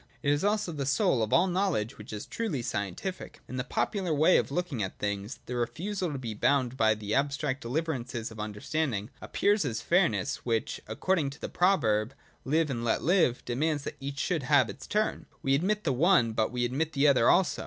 It is also the soul of all knowledge which is truly scientific. In the popular way of looking at things, the refusal to be bound by the abstract deliverances of under standing appears as fairness, which, according to the proverb Live and let live, demands that each should have its turn ; we admit the one, but we admit the other also.